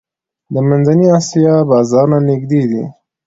د منځنۍ اسیا بازارونه نږدې دي